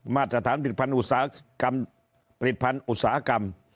มาตรฐานผลิตภัณฑ์อุตสาหกรรม